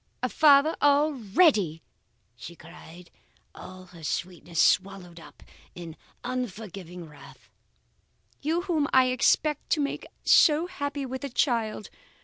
A father already!' she cried, all her sweetness swallowed up in ungovernable wrath. 'You whom I expected to make so happy with a child?